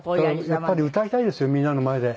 やっぱり歌いたいですよ